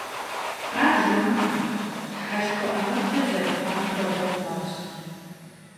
Ар жумыӀэ, Тхьэшхуэ ӀэмыркӀэ зэрыхъуам хуэдэу хъуащ.